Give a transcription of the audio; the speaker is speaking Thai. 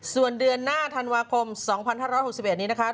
ส่วนเดือนหน้าธันวาคม๒๕๖๑นี้นะคะ